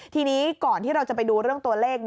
ทีนี้ก่อนที่เราจะไปดูเรื่องตัวเลข